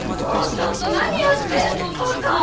ちょっと何やってんのバカ！